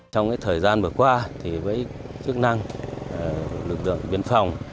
trong thời gian vừa qua với chức năng lực lượng biên phòng